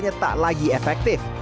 tidak lagi efektif